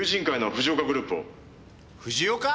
藤岡！？